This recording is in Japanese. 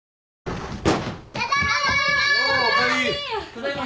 ただいま。